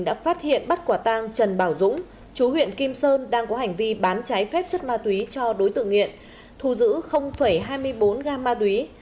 đã phát hiện bắt quả tang trần bảo dũng chú huyện kim sơn đang có hành vi bán trái phép chất ma túy cho đối tượng nghiện thu giữ hai mươi bốn gam ma túy